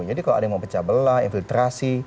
jadi kalau ada yang mau pecah belah infiltrasi